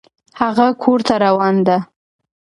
هغه کور ته روان ده